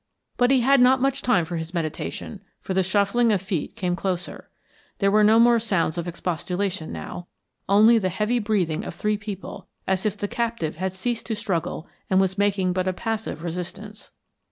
But he had not much time for his meditation, for the shuffling of feet came closer. There were no more sounds of expostulation now; only the heavy breathing of three people, as if the captive had ceased to struggle and was making but a passive resistance.